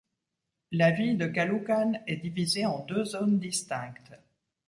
La ville de Caloocan est divisée en deux zones distinctes.